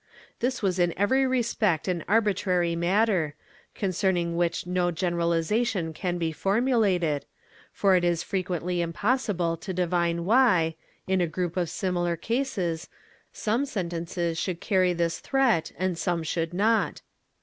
This was in every respect an arbitrary matter, concerning which no generalization can be formulated, for it is frequently impossible to divine why, in a group of similar cases, some sentences should carry this threat and some should not.